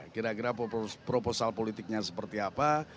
kira kira proposal politiknya seperti apa